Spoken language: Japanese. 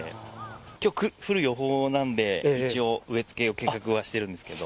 きょう、降る予報なんで、一応、植え付けの計画はしてるんですけど。